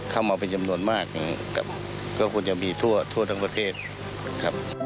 เข้ามาเป็นจำนวนมากนะครับก็ควรจะมีทั่วทั้งประเทศครับ